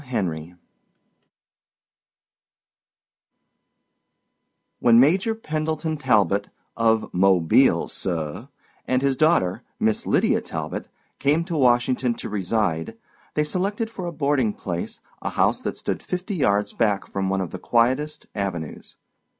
Henry (1862–1910) When Major Pendleton Talbot, of Mobile, sir, and his daughter, Miss Lydia Talbot, came to Washington to reside, they selected for a boarding place a house that stood fifty yards back from one of the quietest avenues.